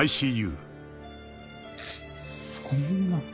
そんな。